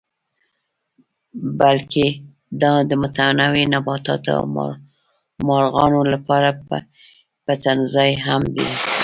بلکې دا د متنوع نباتاتو او مارغانو لپاره پټنځای هم دی.